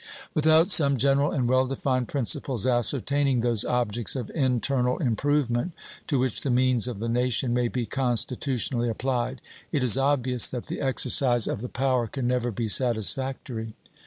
Without some general and well defined principles ascertaining those objects of internal improvement to which the means of the nation may be constitutionally applied, it is obvious that the exercise of the power can never be satisfactory.